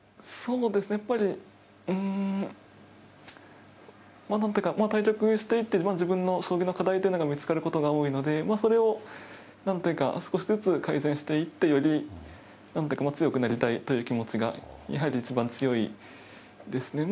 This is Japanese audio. やっぱりなんていうか、対局していって、自分の将棋の課題ということが見つかることが多いので、それをなんというか、少しずつ改善していって、より強くなりたいという気持ちが、やはり一番強いですね。